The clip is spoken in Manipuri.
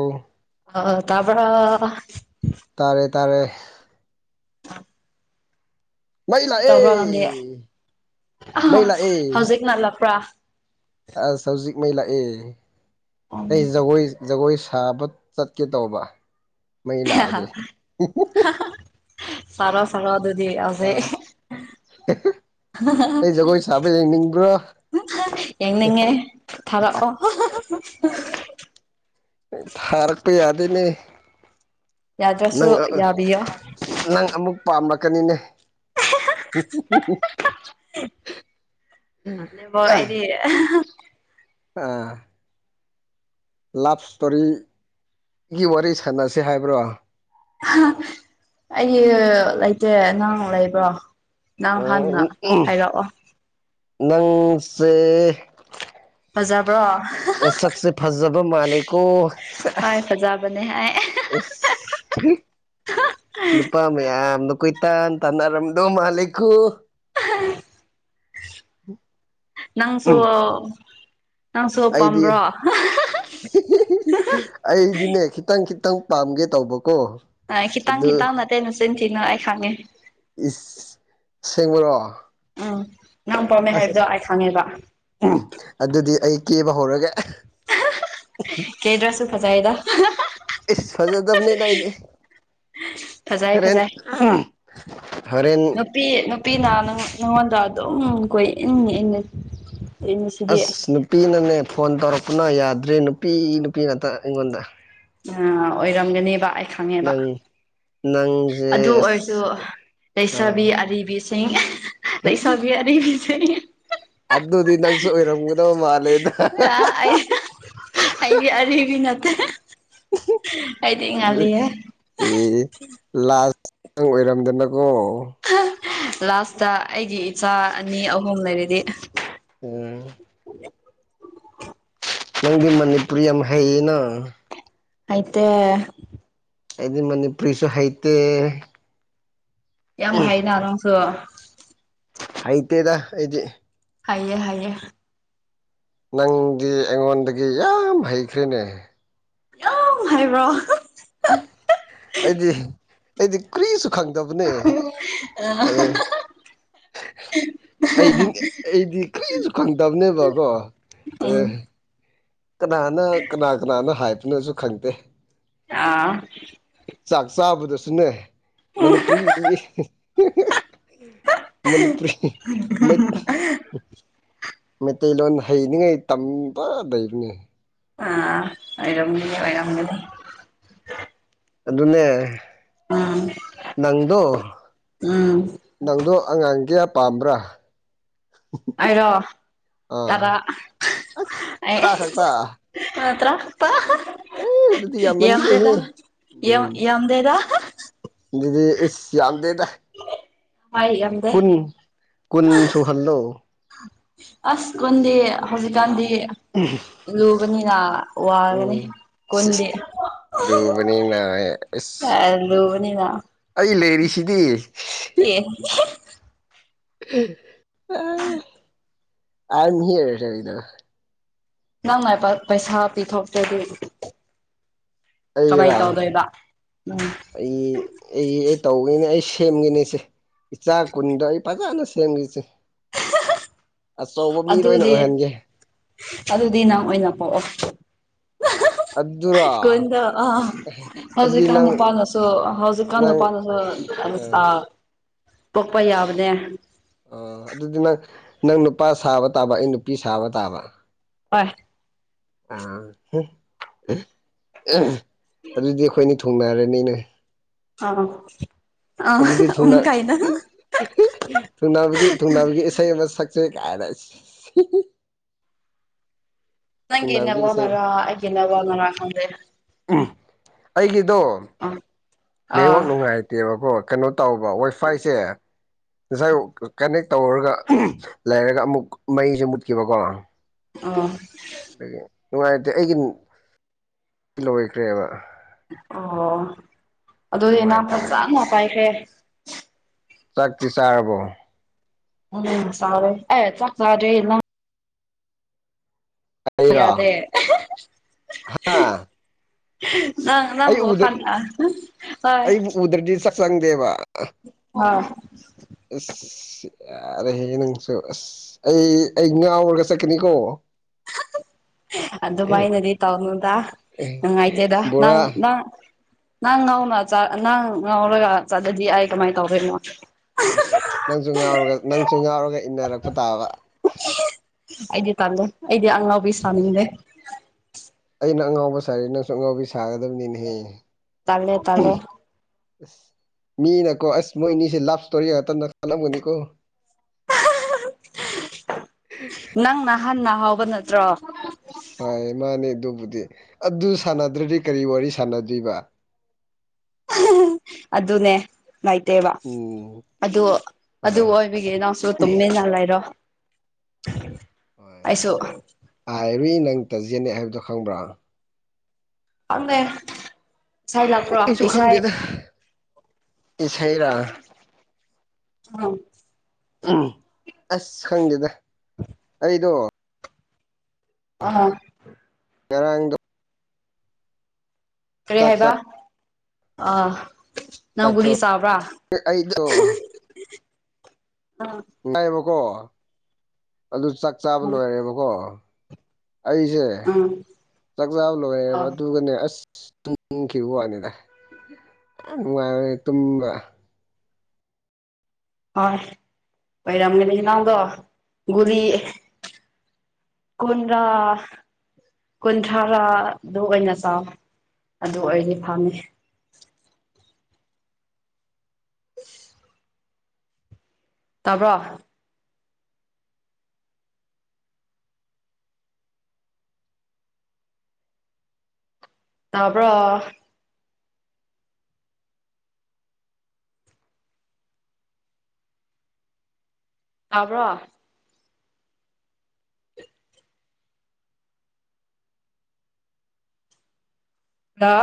ꯑꯣ ꯑꯣ ꯇꯥꯕꯔ ꯇꯥꯔꯦ ꯇꯥꯔꯦ ꯑꯥ ꯃꯩ ꯀ ꯂꯥꯛꯑꯦ ꯇꯧꯕ꯭ꯔꯥ ꯅꯪꯗꯤ ꯃꯩ ꯂꯥꯛꯑꯦ ꯑ-ꯍꯧꯖꯤꯛ ꯅꯠꯂꯛꯄ꯭ꯔꯥ ꯑꯁ ꯍꯧꯖꯤꯛ ꯃꯩ ꯂꯥꯛꯑꯦ ꯑꯩ ꯎꯝ ꯖꯒꯣꯏ ꯖꯒꯣꯏ ꯁꯥꯕ ꯆꯠꯀꯦ ꯇꯧꯕ ꯃꯩ ꯂꯥꯛꯑꯗꯤ ꯁꯔꯣ ꯁꯔꯣ ꯑꯗꯨꯗꯤ ꯍꯧꯒꯤꯛ ꯑꯥ ꯑꯩ ꯖꯒꯣꯏ ꯁꯥꯕ ꯌꯦꯡꯅꯤꯡꯕ꯭ꯔꯣ ꯌꯦꯡꯅꯤꯡꯉꯦ ꯊꯥꯔꯛꯑꯣ ꯊꯥꯔꯛꯄ ꯌꯥꯗꯦꯃꯦ ꯌꯥꯗ꯭ꯔꯁꯨ ꯌꯥꯕꯤꯌꫭ ꯅꯪ ꯑꯃꯨꯛ ꯄꯥꯝꯂꯛꯀꯅꯤꯅꯦ ꯄꯥꯝꯗꯦꯕꯣ ꯑꯩꯗꯤ ꯑꯥ ꯂꯞ ꯏꯁꯇꯣꯔꯤꯒꯤ ꯋꯥꯔꯤ ꯁꯥꯟꯅꯁꯦ ꯍꯥꯏꯕ꯭ꯔꯣ ꯑꯩ ꯂꯩꯇꯦ ꯅꯪ ꯂꯩꯕ꯭ꯔꯣ ꯅꯪ ꯍꯥꯟꯅ ꯍꯥꯏꯔꯛꯑꯣ ꯅꯪꯁꯦ ꯐꯖꯕ꯭ꯔꯣ ꯅꯁꯛꯁꯦ ꯐꯖꯕ ꯃꯥꯜꯂꯤꯀꯣ ꯍꯣꯏ ꯁꯦꯁ ꯐꯖꯕꯅꯦ ꯍꯥꯏ ꯑꯁ ꯅꯨꯄꯥ ꯃꯌꯥꯝꯅ ꯀꯣꯏ ꯇꯥꯟ ꯇꯥꯟꯅꯔꯝꯗꯣ ꯃꯥꯟꯂꯤꯀꫭ ꯎꯝ ꯅꯪꯁꯨ ꯅꯪꯁꯨ ꯑꯩꯗꯤ ꯄꯥꯝꯕ꯭ꯔꯣ ꯑꯩꯗꯤꯅꯦ ꯈꯤꯇꯪ ꯈꯤꯇꯪ ꯄꯥꯝꯒꯦ ꯇꯧꯕꯀꯣ ꯈꯤꯇꯪ ꯑꯗꯨ ꯈꯤꯇꯪ ꯅꯠꯇꯦꯅꯆꯤꯟ ꯊꯤꯅꯣ ꯑꯩ ꯈꯪꯉꯦ ꯁꯦꯡꯕꯔꯣ ꯎꯝ ꯅꯪ ꯄꯥꯝꯃꯦ ꯍꯥꯏꯕꯗꯣ ꯑꯩ ꯈꯪꯉꯦꯕ ꯑꯗꯨꯗꯤ ꯑꯩ ꯀꯦꯕ ꯍꯧꯔꯒꯦ ꯀꯦꯗ꯭ꯔꯁꯨ ꯐꯖꯩꯗ ꯏꯁ- ꯐꯖꯗꯕꯅꯤꯗ ꯑꯩꯗꯤ ꯐꯖꯩ ꯍꯣꯔꯦꯟ ꯐꯖꯩ ꯍꯣꯔꯦꯟ ꯅꯨꯄꯤ ꯅꯨꯄꯤꯅ ꯅꯉꯣꯟꯗ ꯑꯗꯨꯝ ꯀꯣꯏ ꯏꯟ ꯏꯉꯅꯩ ꯑꯁ ꯅꯨꯄꯤꯅꯅꯦ ꯐꯣꯟ ꯇꯧꯔꯛꯄꯅ ꯌꯥꯗ꯭ꯔꯦ ꯅꯨꯄꯤ ꯅꯨꯄꯤ ꯉꯥꯛꯇ ꯑꯩꯉꯣꯟꯗ ꯑ ꯑꯣꯏꯔꯝꯒꯅꯦꯕ ꯑꯩ ꯈꯪꯉꯦꯕ ꯅꯪ ꯅꯪꯁꯦ ꯑꯗꯨ ꯑꯣꯏꯔꯁꯨ ꯑꯁ ꯑ ꯂꯩꯁꯕꯤ ꯑꯔꯤꯕꯤ ꯑꯩ ꯂꯩꯁꯥꯕꯤ ꯑꯔꯤꯕꯤ ꯑꯗꯨ ꯑꯗꯨꯗꯤ ꯅꯪꯁꯨꯑꯣꯏꯔꯝꯒꯗꯕ ꯃꯥꯜꯂꯦꯗ ꯑꯩ ꯑꯩꯗꯤ ꯑꯔꯤꯕꯤ ꯅꯠꯇꯦ ꯑꯩꯗꯤ ꯉꯜꯂꯤꯑꯦ ꯑꯦ ꯂꯥꯁꯇ ꯅꯪ ꯑꯣꯏꯔꯝꯗꯅꯀꯣ ꯂꯥꯁꯇ ꯑꯩꯒꯤ ꯏꯆꯥ ꯑꯅꯤ ꯑꯍꯨꯝ ꯂꯩꯔꯗꯤ ꯎꯝ ꯅꯪꯗꯤ ꯃꯅꯤꯄꯨꯔꯤ ꯌꯥꯝ ꯍꯩꯌꯦꯅ ꯍꯩꯇꯦ ꯑꯩꯗꯤ ꯃꯅꯤꯄꯨꯔꯤꯁꯨ ꯍꯩꯇꯦ ꯌꯥꯝ ꯍꯩꯅ ꯅꯪꯁꯨ ꯍꯩꯇꯦꯗ ꯑꯩꯗꯤ ꯍꯩꯌꯦ ꯍꯩꯌꯦ ꯅꯪꯗꯤ ꯑꯩꯉꯣꯟꯗꯒꯤ ꯌꯥꯝ ꯍꯩꯈ꯭ꯔꯦꯅꯦ ꯌꯥꯝ ꯍꯩꯕ꯭ꯔꯣ ꯑꯩꯗꯤ ꯑꯩꯗꯤ ꯀꯔꯤꯁꯨ ꯈꯪꯗꯕꯅꯦ ꯑꯗꯨ ꯑꯩꯗꯤ ꯑꯩꯗꯤ ꯀꯔꯤꯁꯨ ꯈꯪꯗꯕꯅꯦꯕꯀꯣ ꯑꯗꯨ ꯎꯝ ꯀꯅꯥꯅ ꯀꯅꯥ ꯀꯅꯥꯅ ꯍꯥꯏꯕꯅꯣꯁꯨ ꯈꯪꯗꯦ ꯑꯥ ꯆꯥꯛ ꯆꯥꯕꯗꯁꯨꯅꯦ ꯃꯅꯄꯨꯔꯤ ꯏꯪꯂꯤꯁ ꯃꯅꯤꯄꯨꯔꯤ ꯃꯩ ꯃꯩꯇꯩꯂꯣꯟ ꯍꯩꯅꯤꯡꯉꯥꯏ ꯇꯝꯕ ꯂꯩꯕꯅꯦ ꯎꯝ ꯑꯣꯏꯔꯝꯒꯅꯤ ꯑꯣꯏꯔꯝꯒꯅꯤ ꯑꯗꯨꯅꯦ ꯎꯝ ꯅꯪꯗꯣ ꯎꯝ ꯅꯪꯗꯣ ꯑꯉꯥꯡ ꯀꯌꯥ ꯄꯥꯝꯕ꯭ꯔꯥ ꯑꯩꯔꯣ ꯇꯔꯥ ꯑꯁ ꯑꯩ ꯇꯔꯥ ꯈꯛꯇ ꯇꯔꯥ ꯈꯛꯗ ꯑꯦ ꯑꯗꯨꯗꯤ ꯌꯥꯝꯗꯦꯗ ꯌꯥꯝꯃꯟꯗꯦꯍꯦ ꯌꯥꯝꯗꯦꯗꯥ ꯎꯝ ꯌꯥꯝꯗꯦꯗꯥ ꯑꯗꯨꯗꯤ ꯏꯁ ꯌꯥꯝꯗꯦꯗ ꯍꯣꯏ ꯌꯥꯝꯗꯦ ꯀꯨꯟ ꯀꯨꯟ ꯁꯨꯍꯜꯂꯣ ꯑꯁꯀꯨꯟꯗꯤ ꯍꯧꯖꯤꯛꯀꯥꯟꯗꯤ ꯍꯨꯝꯝꯝ ꯂꯨꯕꯅꯤꯅ ꯋꯥꯒꯅꯤ ꯀꯨꯟꯗꯤ ꯂꯨꯕꯅꯤꯅ ꯑꯁ ꯑ ꯂꯨꯕꯅꯤꯅ ꯑꯩ ꯂꯩꯔꯤꯁꯤꯗꯤ ꯑ‌ꯦ ꯑ ꯑꯥꯏ ꯌꯦꯝ ꯍꯤꯌꯔ ꯂꯩꯗꯅ ꯅꯪ ꯉꯥꯏꯕ ꯄꯩꯁꯥ ꯄꯤꯊꯣꯛꯇꯗꯤ ꯑꯩꯔꯥ ꯎꯝ ꯑꯩ ꯑꯩ ꯑꯩ ꯇꯧꯒꯦꯅꯦ ꯑꯩ ꯁꯦꯝꯒꯦꯅꯦ ꯏꯆꯦ ꯏꯆꯥ ꯀꯨꯟꯗꯣ ꯑꯩ ꯐꯖꯅ ꯁꯦꯝꯒꯦꯁꯦ ꯑꯆꯧꯕ ꯃꯤ ꯂꯣꯏꯅ ꯑꯗꯨꯗꯤ ꯑꯣꯏꯍꯟꯒꯦ ꯑꯗꯨꯗꯤ ꯅꯪ ꯑꯣꯏꯅ ꯄꯣꯛꯑꯣ ꯑꯗꯨꯔꯣ ꯀꯨꯟꯗꯣ ꯑꯗꯨꯗꯤ ꯍꯧꯖꯤꯛꯀꯥꯟ ꯅꯪ ꯅꯨꯄꯥꯅꯁꯨ ꯍꯧꯖꯤꯛꯀꯥꯟꯗ ꯅꯪ ꯅꯨꯄꯥꯅꯁꯨ ꯑꯥ ꯄꯣꯛꯄ ꯌꯥꯕꯅꯦ ꯑ ꯑꯗꯨꯗꯤ ꯅꯪ ꯅꯪ ꯅꯨꯄꯥ ꯁꯥꯕ ꯇꯥꯕ ꯑꯩ ꯅꯨꯄꯤ ꯁꯥꯕ ꯇꯥꯕ ꯍꯣꯏ ꯑ ꯑꯗꯨꯗꯤ ꯑꯩꯈꯣꯏꯅꯤ ꯊꯨꯡꯅꯔꯅꯤꯅꯦ ꯑꯩꯅ ꯑꯥ ꯑ ꯑꯗꯨꯗꯤ ꯊꯨꯡꯅꯥ ꯎꯝ ꯀꯥꯏꯅ ꯊꯨꯡꯅꯥꯕꯒꯤ ꯊꯨꯡꯅꯕꯒꯤ ꯏꯁꯩ ꯑꯃ ꯁꯛꯁꯦ ꯁꯦ ꯀꯥꯏꯅꯁꯤ ꯊꯨꯡꯅꯕꯒꯤ ꯏꯁꯩ ꯅꯪꯟꯅꯔꯣꯟꯅꯔ ꯑꯩꯒꯤꯟꯃꯔꯣꯟꯅꯔ ꯈꯪꯗ꯭ꯔꯦ ꯑꯩꯒꯤꯗꯣ ꯑ ꯑꯥ ꯅ‌ꯦꯋꯥꯛ ꯅꯨꯡꯉꯥꯏ ꯇꯦꯕꯀꯣ ꯀꯩꯅꯣ ꯇꯧꯕ ꯋꯥꯏꯐꯥꯏꯁꯦ ꯋꯥꯏꯐꯥꯏꯁꯦ ꯀꯅꯦꯛ ꯇꯧꯔꯒ ꯂꯩꯔꯒ ꯑꯃꯨꯛ ꯃꯩꯁꯨ ꯃꯨꯠꯈꯤꯕꯀꯣ ꯑꫭ ꯑꯗꯒꯤ ꯅꯨꯡꯉꯥꯏꯇꯦ ꯑꯩꯒꯤ ꯂꯣꯏꯈ꯭ꯔꯦꯕ ꯑꯣ ꯑꯗꯨꯗꯤ ꯅꯪ ꯅꯨꯡꯉꯥꯏꯇꯕꯅꯤ ꯐꯖꯅ ꯄꯥꯏꯈ꯭ꯔꯦ ꯆꯥꯛꯇꯤ ꯆꯥꯔꯕꯣ ꯎꯝ ꯆꯥꯔꯦ ꯑꯦ ꯆꯥꯛ ꯆꯥꯗ꯭ꯔꯤ ꯅꯪ ꯑꯩꯔꯣ ꯌꯥꯗꯦ ꯍꯥ ꯅꯪ ꯅꯪ ꯑꯩ ꯎꯗ ꯍꯣꯏ ꯑꯩꯕꯨ ꯎꯗ꯭ꯔꯗꯤ ꯆꯥꯛ ꯆꯪꯗꯦꯕ ꯑ ꯑꯁ ꯌꯥꯔꯦ ꯅꯪꯁꯨ ꯑꯁ ꯑꯩ ꯑꯩ ꯉꯥꯑꯣꯏꯔꯒ ꯆꯠꯀꯅꯤꯀꯣ ꯑꯗꯨ ꯑꯗꯨ ꯃꯥꯏꯅꯗꯤ ꯇꯧꯅꯨꯗ ꯅꯨꯡꯉꯥꯏꯇꯦꯗ ꯅꯪ ꯕꯣꯔꯥ ꯅꯪ ꯅꯪ ꯉꯥꯎꯅ ꯅꯪ ꯉꯥꯎꯔꯒ ꯆꯥꯠꯂꯗꯤ ꯑꯩ ꯀꯃꯥꯏꯅ ꯇꯧꯗꯣꯏꯅꯣ ꯑꯁ ꯅꯪꯁꯨ ꯉꯥꯎꯔꯒ ꯅꯪꯁꯨ ꯉꯥꯎꯔꯒ ꯏꯟꯅꯔꯛꯄ ꯇꯥꯕ ꯑꯩꯗꯤ ꯇꯥꯜꯂꯦ ꯑꯩꯗꯤ ꯑꯉꯥꯎꯕꯤ ꯁꯥꯅꯤꯡꯗꯦ ꯑꯩꯅ ꯑꯉꯥꯎꯕ ꯁꯥꯔꯗꯤ ꯅꯪꯁꯨ ꯑꯉꯥꯎꯕꯤ ꯁꯥꯒꯗꯕꯅꯤꯅꯦꯍꯦ ꯇꯂꯦ ꯇꯂꯦ ꯑꯁ ꯃꯤꯅꯀꯣ ꯑꯁ ꯃꯣꯏ ꯑꯅꯤꯁꯦ ꯂꯞ ꯏꯁꯇꯣꯔꯤ ꯉꯇꯝꯗ ꯈꯜꯂꯝꯒꯅꯤꯀꯣ ꯍ ꯍꯍꯍ ꯍꯤꯍ ꯅꯪ ꯅꯍꯥꯟ ꯅ ꯍꯥꯎꯕ ꯅꯠꯇ꯭ꯔꯣ ꯑ ꯃꯥꯅꯦ ꯑꯗꯨꯕꯨꯗꯤ ꯑꯗꯨ ꯁꯥꯟꯅꯗ꯭ꯔꯗꯤ ꯀꯔꯤ ꯋꯥꯔꯤ ꯁꯥꯟꯅꯗꯣꯏꯕ ꯑꯗꯨꯅꯦ ꯂꯩꯇꯦꯕ ꯎꯝ ꯑꯗꯨ ꯑꯗꯨ ꯍꯣꯏ ꯑꯣꯏ ꯍꯥꯏꯕꯤꯒꯦ ꯏꯅꯥꯎꯁꯨ ꯇꯨꯝꯃꯤꯟꯅ ꯂꯩꯔꯣ ꯑꯩꯁꯨ ꯑꯔꯨꯏ ꯅꯪ ꯇꯥꯖꯦꯅꯦ ꯍꯥꯏꯕꯗꯣ ꯈꯪꯕ꯭ꯔꯥ ꯈꯪꯗꯦ ꯏꯁꯥꯏ ꯂꯥꯛꯄ꯭ꯔꯣ ꯑꯩꯁꯨ ꯏꯁꯥꯏ ꯈꯪꯗꯦꯗ ꯏꯁꯩꯔꯥ ꯎꯝ ꯑꯁ ꯈꯪꯗꯦꯗ ꯑꯩꯗꯣ ꯑꯥ ꯉꯔꯥꯡꯗ ꯀꯔꯤ ꯆꯥꯛ ꯍꯥꯏꯕ ꯆꯥꯛ ꯑ ꯅꯪ ꯆꯥꯛꯇꯣ ꯒꯨꯂꯤ ꯆꯥꯕ꯭ꯔꯥ ꯑꯩꯗꯣ ꯑ ꯉꯥꯏꯌꯦꯕꯀꯣ ꯑꯗꯨ ꯆꯥꯛ ꯆꯥꯕ ꯂꯣꯏꯔꯦꯕꯀꯣ ꯑꯩꯁꯦ ꯎꯝ ꯆꯥꯛꯆꯥꯥ ꯂꯣꯏꯔꯦꯕ ꯑꯥ ꯑꯗꯨꯒꯅꯦ ꯑꯁ ꯇꯨꯝꯈꯤꯕ ꯋꯥꯅꯤꯗ ꯅꯨꯡꯉꯥꯏꯔꯦ ꯇꯨꯝꯕ ꯍꯣꯏ ꯍꯣꯏꯔꯝꯒꯅꯤ ꯅꯪꯗꯣ ꯒꯨꯂꯤ ꯀꯣꯟꯗ꯭ꫪꯥ ꯀꯨꯟꯊ꯭ꯔꯥꯥꯗꯨ ꯑꯣꯏꯅ ꯆꯥꯎ ꯑꯗꯨ ꯑꯣꯏꯗꯤ ꯐꯪꯉꯦ ꯇꯥꯕ꯭ꯔꯣ ꯇꯕ꯭ꯔꯣ ꯇꯥꯕ꯭ꯔꯣ ꯍ